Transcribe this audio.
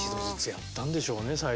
やったんでしょうね。